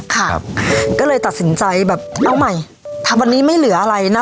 ครับก็เลยตัดสินใจแบบเอาใหม่ถ้าวันนี้ไม่เหลืออะไรนะ